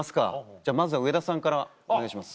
じゃあまずは上田さんからお願いします。